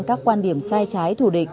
các quan điểm sai trái thủ địch